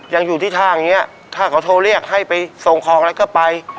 ยังอยู่ที่ท่าอย่างนี้ถ้าเขาโทรเรียกให้ไปส่งของอะไรก็ไป